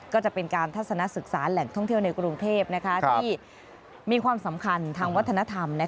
ก็จะเป็นการทัศนศึกษาแหล่งท่องเที่ยวในกรุงเทพที่มีความสำคัญทางวัฒนธรรม